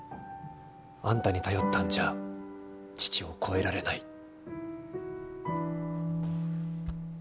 あんたに頼ったんじゃ父を超えられない。